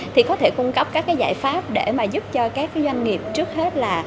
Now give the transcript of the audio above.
thì có thể cung cấp các giải pháp để mà giúp cho các doanh nghiệp trước hết là